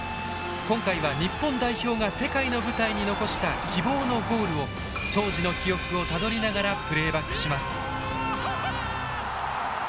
今回は日本代表が世界の舞台に残した希望のゴールを当時の記憶をたどりながらプレーバックします。